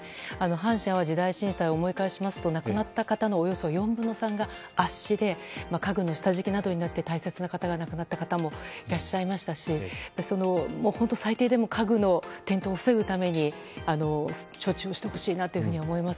阪神・淡路大震災を思い返しますと亡くなった方のおよそ４分の３が圧死で家具の下敷きなどになって大切な方が亡くなった方もいらっしゃいましたし、本当に最低でも家具の転倒を防ぐために処置をしてほしいなと思います。